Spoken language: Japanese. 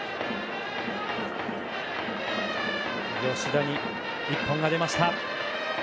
吉田に１本が出ました。